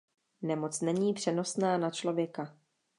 Nemoc není přenosná na člověka.